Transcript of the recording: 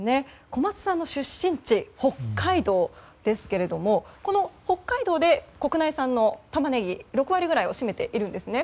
小松さんの出身地北海道ですけれどもこの北海道で国内産のタマネギ６割くらいを占めているんですね。